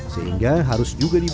sehingga harus juga dibuat